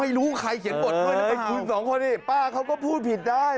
ไม่รู้ใครเขียนบทพวกนี้ป้าเขาก็พูดผิดได้